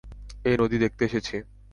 এই নদী দেখতে এসেছি।